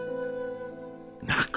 泣く